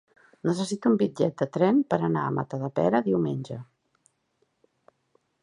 Necessito un bitllet de tren per anar a Matadepera diumenge.